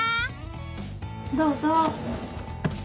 どうぞ。